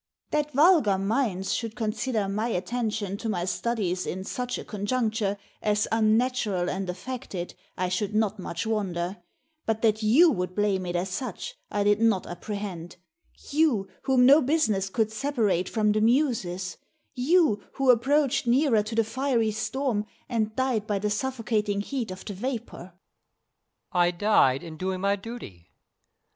That vulgar minds should consider my attention to my studies in such a conjuncture as unnatural and affected, I should not much wonder; but that you would blame it as such I did not apprehend you, whom no business could separate from the muses; you, who approached nearer to the fiery storm, and died by the suffocating heat of the vapour. Pliny the Elder. I died in doing my duty.